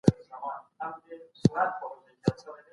سړي سر عاید به د پام وړ لوړ سوی وي.